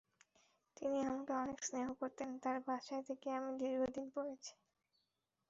তিনি আমাকে অনেক স্নেহ করতেন, তাঁর বাসায় থেকে আমি দীর্ঘদিন পড়েছি।